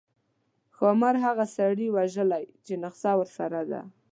ښامار هغه سړي وژلی چې نخښه ورسره ده.